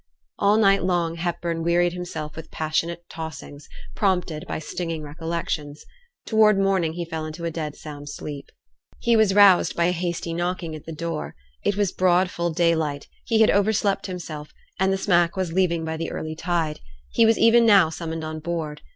All night long Hepburn wearied himself with passionate tossings, prompted by stinging recollection. Towards morning he fell into a dead sound sleep. He was roused by a hasty knocking at the door. It was broad full daylight; he had overslept himself, and the smack was leaving by the early tide. He was even now summoned on board.